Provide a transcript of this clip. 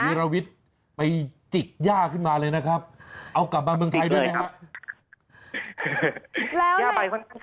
มีระวิศไปจิกย่าขึ้นมาเลยนะครับ